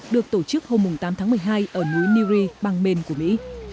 được tổ chức hôm tám tháng một mươi hai ở núi neary bang mên của mỹ